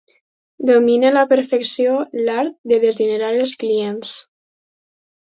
Domina a la perfecció l'art de desdinerar els clients.